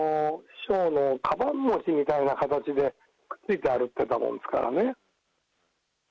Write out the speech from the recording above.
師匠のかばん持ちみたいな形でくっついて歩いていたもんですからね。